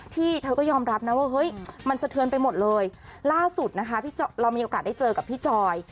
เธอก็ยอมรับนะว่าเฮ้ยมันสะเทือนไปหมดเลยล่าสุดนะคะเรามีโอกาสได้เจอกับพี่จอย